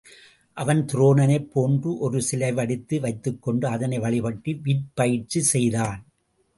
அவன் துரோணனைப் போன்ற ஒரு சிலை வடித்து வைத்துக் கொண்டு அதனை வழிபட்டு விற்பயிற்சி செய்தான்.